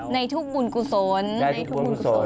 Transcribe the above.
ในทุกบุญกุศลในทุกบุญกุศล